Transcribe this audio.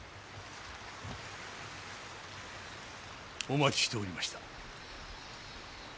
お待ちしておりました。